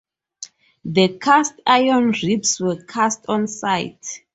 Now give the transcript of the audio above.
The cast iron ribs were cast on site.